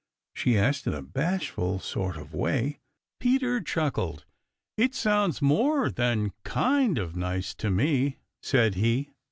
she asked in a bashful sort of way. Peter chuckled. "It sounds more than KIND of nice to me," said he.